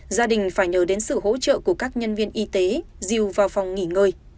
gia đình phải nhờ đến sự hỗ trợ của các nhân viên y tế dìu vào phòng nghỉ ngơi